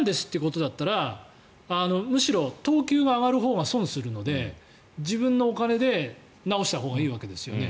だったらむしろ、等級が上がるほうが損をするので自分のお金で直したほうがいいわけですよね。